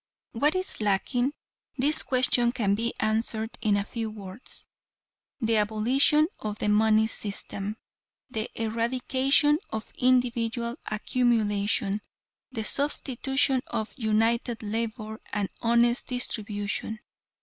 What is lacking? This question can be answered in a few words. The abolition of the money system. The eradication of individual accumulation. The substitution of united labor and honest distribution.